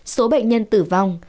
số bệnh nhân tử vong